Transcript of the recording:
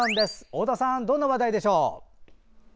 太田さん、どんな話題でしょう？